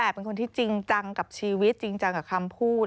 เป็นคนที่จริงจังกับชีวิตจริงจังกับคำพูด